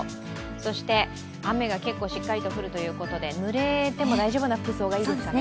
そして、雨が結構しっかり降るということで、ぬれても大丈夫な服装がいいですね。